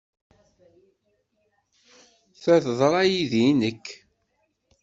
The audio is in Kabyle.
Ta teḍra-iyi i nekk.